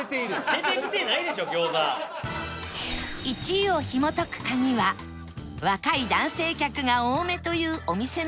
１位をひもとくカギは若い男性客が多めというお店の客層と